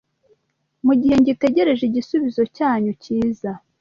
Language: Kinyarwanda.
Mu gihe ngitegereje igisubizo cyanyu kiza,